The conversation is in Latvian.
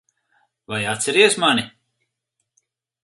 Vai atceries mani?